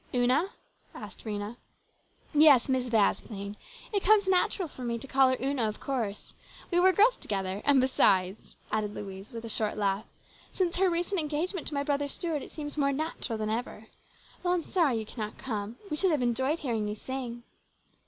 " Una ?" asked Rhena. "Yes, Miss Vasplaine. It comes natural for me to call her * Una,' of course. We were girls together, and besides," added Louise with a short laugh, " since her recent engagement to my brother Stuart it seems more natural than ever. Well, I'm sorry you cannot come. We should have enjoyed hearing you sing."